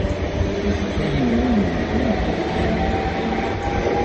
Yeḥfa yimru n uldun deg tira.